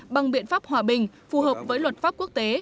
bằng biện pháp hòa bình phù hợp với luật pháp quốc tế